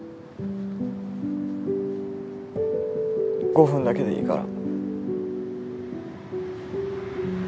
５分だけでいいから。